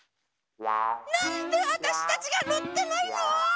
なんであたしたちがのってないの？